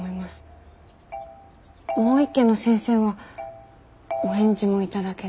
もう一件の先生はお返事も頂けず。